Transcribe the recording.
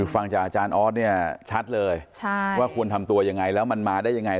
ฟังจากอาจารย์ออสเนี่ยชัดเลยว่าควรทำตัวยังไงแล้วมันมาได้ยังไง